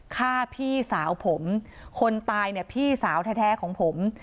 ฆ่าพี่สาวผมคนตายเนี่ยพี่สาวแท้ของผม